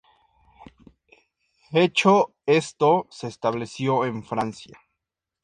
Hecho esto, se estableció en Francia.